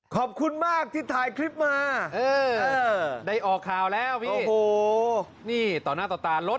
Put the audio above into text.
ขอบคุณมากที่ถ่ายคลิปมาได้ออกข่าวแล้วโอ้โหนี่ต่อหน้าต่อตารถ